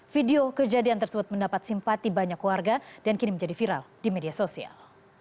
video kejadian tersebut mendapat simpati banyak warga dan kini menjadi viral di media sosial